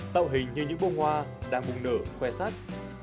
tạo hình như những bông hoa đang bùng nở khoe sắt